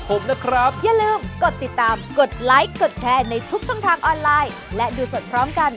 สวัสดีครับ